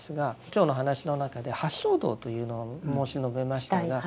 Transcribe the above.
今日の話の中で八正道というのを申し述べましたが。